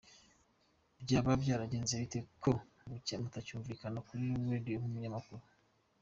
Byaba byaragenze bite ko mutacyumvikana kuri Radiyo nkumunyamakuru?.